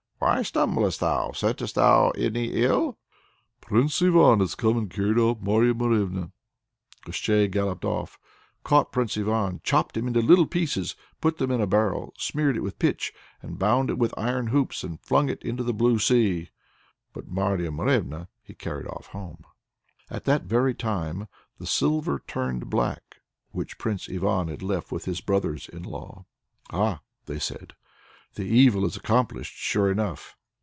"Why stumblest thou? scentest thou any ill?" "Prince Ivan has come and has carried off Marya Morevna." Koshchei galloped off, caught Prince Ivan, chopped him into little pieces, put them in a barrel, smeared it with pitch and bound it with iron hoops, and flung it into the blue sea. But Marya Morevna he carried off home. At that very time, the silver turned black which Prince Ivan had left with his brothers in law. "Ah!" said they, "the evil is accomplished sure enough!"